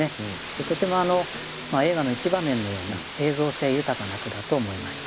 とても映画の一場面のような映像性豊かな句だと思いました。